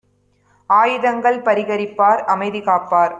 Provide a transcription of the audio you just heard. ஆயுதங்கள் பரிகரிப்பார், அமைதி காப்பார்